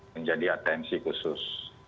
menjadi atensi khusus